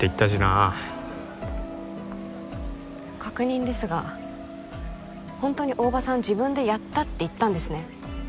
あ確認ですが本当に大庭さん「自分でやった」って言ったんですね？